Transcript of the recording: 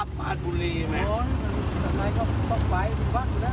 ผู้พิสัยของพวกคุณน่ะ